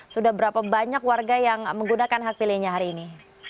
sudah berapa banyak warga yang menggunakan hak pilihnya hari ini